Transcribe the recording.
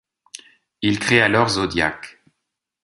Ils créent alors Zodiac.